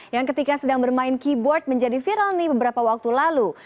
yang ketika sedang bermain keyboard menjadi viral nih beberapa waktu lalu